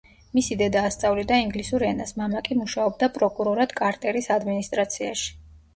მისი დედა ასწავლიდა ინგლისურ ენას, მამა კი მუშაობდა პროკურორად კარტერის ადმინისტრაციაში.